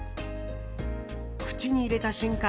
口に入れた瞬間